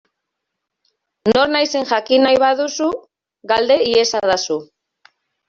Nor naizen jakin nahi baduzu, galde iezadazu.